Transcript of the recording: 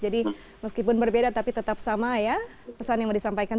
jadi meskipun berbeda tapi tetap sama ya pesan yang mau disampaikan